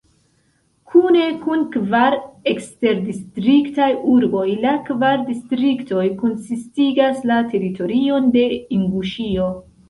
Kune kun kvar eksterdistriktaj urboj la kvar distriktoj konsistigas la teritorion de Inguŝio.